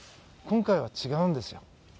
今回は違うんですよ。